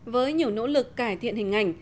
với nhiều nỗ lực cải thiện hình ảnh